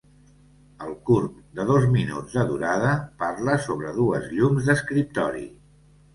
El curt, de dos minuts de durada, parla sobre dues llums d’escriptori.